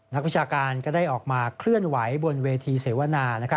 นักวิชาการก็ได้ออกมาเคลื่อนไหวบนเวทีเสวนา